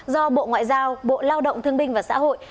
do bộ ngoại giao bộ lao động thương binh và xã hội